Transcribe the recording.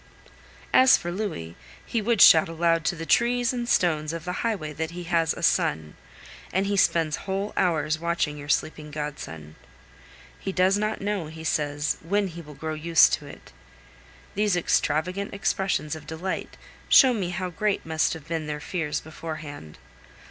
As for Louis, he would shout aloud to the trees and stones of the highway that he has a son; and he spends whole hours watching your sleeping godson. He does not know, he says, when he will grow used to it. These extravagant expressions of delight show me how great must have been their fears beforehand.